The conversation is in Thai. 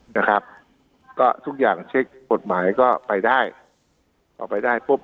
นะครับก็ทุกอย่างเช็คกฎหมายก็ไปได้ออกไปได้ปุ๊บ